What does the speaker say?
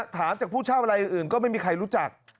ถามจากผู้เช่าอะไรอื่นก็ไม่มีใครรู้จัก